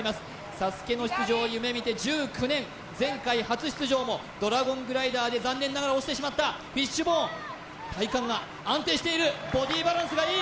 ＳＡＳＵＫＥの出場を夢見て１９年前回初出場もドラゴングライダーで残念ながら落ちてしまった体幹が安定しているボディーバランスがいい！